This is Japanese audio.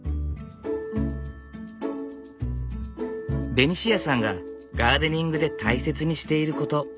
ベニシアさんがガーデニングで大切にしていること。